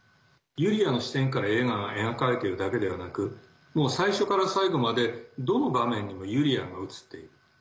ユリアの視点から映画が描かれているだけではなくもう最初から最後までどの場面にもユリアが映っている。